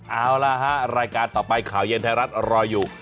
เอาล่ะฮะรายการต่อไปข่าวเย็นไทยรัฐรออยู่